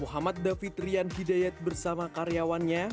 muhammad david rian hidayat bersama karyawannya